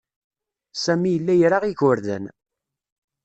Sami yella ira igerdan.